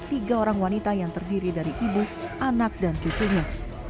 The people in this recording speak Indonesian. tiga orang wanita yang terdiri dari ibu anak dan cucunya